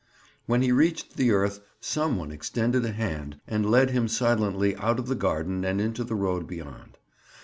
When he reached the earth some one extended a hand and led him silently out of the garden and into the road beyond.